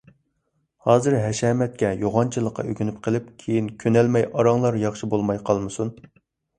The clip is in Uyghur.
ھازىر ھەشەمەتكە، يوغانچىلىققا ئۆگىنىپ قېلىپ، كېيىن كۆنەلمەي ئاراڭلار ياخشى بولماي قالمىسۇن.